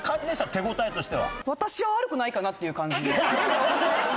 手応えとしては。